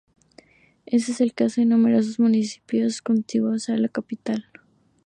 Este es el caso de numerosos municipios contiguos a la capital.